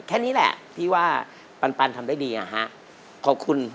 แค่นี้แหละที่ว่าปันทำได้ดีแล้วฮะ